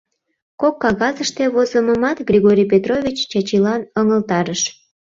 Кок кагазыште возымымат Григорий Петрович Чачилан ыҥылтарыш.